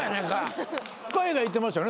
海外行ってましたよね？